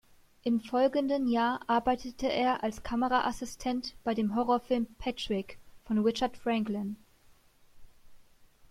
Im folgenden Jahr arbeitete er als Kameraassistent bei dem Horrorfilm "Patrick" von Richard Franklin.